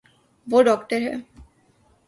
وہ داکٹر ہے